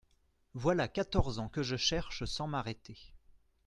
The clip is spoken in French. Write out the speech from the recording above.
Voilà quatorze ans que je cherche sans m'arrêter.